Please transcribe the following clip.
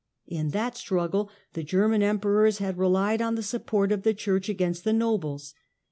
In that struggle, the German Emperors had relied on the support of the Church against the nobles.